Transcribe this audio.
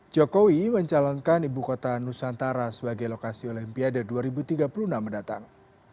jokowi mencalonkan ibu kota nusantara sebagai lokasi olimpiade dua ribu tiga puluh enam mendatang